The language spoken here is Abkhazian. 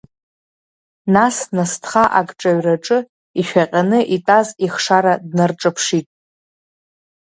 Нас насҭха агҿаҩраҿы ишәаҟьаны итәаз ихшара днарҿаԥшит.